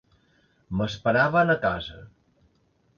M'esperaven a casa.